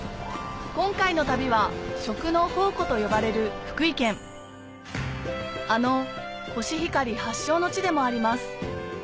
今回の旅は食の宝庫と呼ばれる福井県あのコシヒカリ発祥の地でもあります